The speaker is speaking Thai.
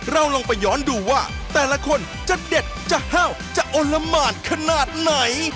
เราลองไปย้อนดูว่าแต่ละคนจะเด็ดจะห้าวจะอลละหมานขนาดไหน